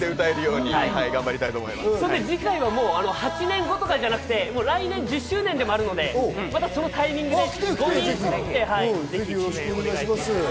次回は８年後とかじゃなくて、来年１０周年でもあるので、そのタイミングで５人そろって、ぜひお願いします。